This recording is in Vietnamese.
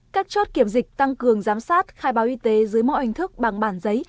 các chốt kiểm dịch tăng cường giám sát khai báo y tế dưới mọi hình thức bằng bản giấy